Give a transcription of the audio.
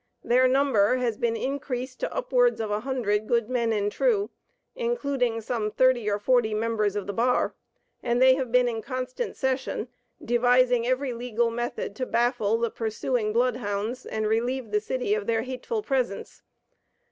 Their number has been increased to upwards of a hundred "good men and true," including some thirty or forty members of the bar; and they have been in constant session, devising every legal method to baffle the pursuing bloodhounds, and relieve the city of their hateful presence.